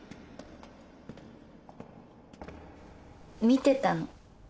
見てたの？